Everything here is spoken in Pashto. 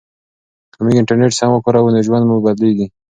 که موږ انټرنیټ سم وکاروو نو ژوند مو بدلیږي.